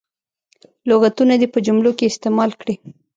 لغتونه دې په جملو کې استعمال کړي.